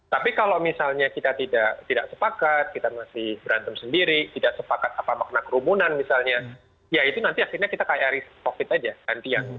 tapi kalau misalnya kita tidak sepakat kita masih berantem sendiri tidak sepakat apa makna kerumunan misalnya ya itu nanti akhirnya kita kayak riset covid aja